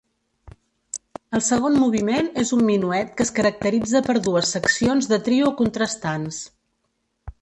El segon moviment és un minuet que es caracteritza per dues seccions de trio contrastants.